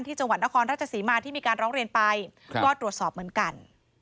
จังหวัดนครราชศรีมาที่มีการร้องเรียนไปก็ตรวจสอบเหมือนกัน